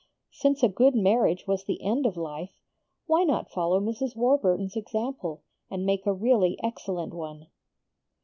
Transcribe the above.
Since a good marriage was the end of life, why not follow Mrs. Warburton's example, and make a really excellent one?